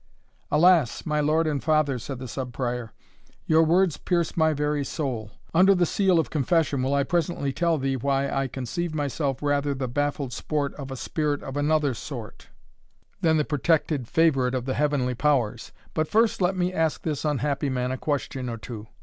"Alas! my lord and father," said the Sub Prior, "your words pierce my very soul. Under the seal of confession will I presently tell thee why I conceive myself rather the baffled sport of a spirit of another sort, than the protected favourite of the heavenly powers. But first let me ask this unhappy man a question or two."